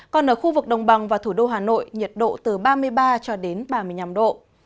còn ở khu vực đồng bằng và thủ đô hà nội nhiệt độ từ ba mươi ba cho đến ba mươi năm độ